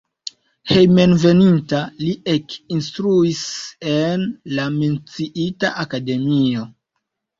Hejmenveninta li ekinstruis en la menciita akademio.